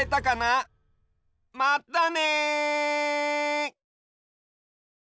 まったね！